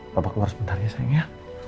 bapak keluar sebentar ya sering ya